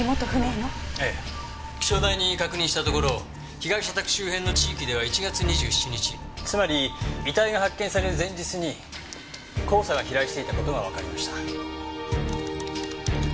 ええ気象台に確認したところ被害者宅周辺の地域では１月２７日つまり遺体が発見される前日に黄砂が飛来していた事がわかりました。